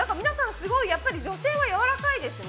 すごい女性は柔らかいですね。